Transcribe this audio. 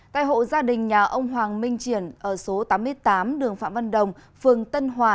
tại hộ gia đình nhà ông hoàng minh triển ở số tám mươi tám đường phạm văn đồng phường tân hòa